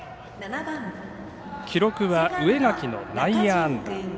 記録は植垣の内野安打。